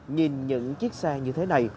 nhìn những chiếc xe như thế này